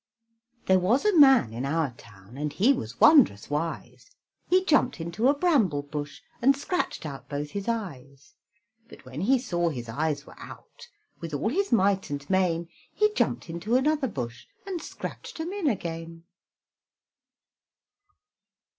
There was a man in our town, And he was wondrous wise, He jumped into a bramble bush, And scratched out both his eyes; But when he saw his eyes were out, With all his might and main, He jumped into another bush, And scratched 'em in again.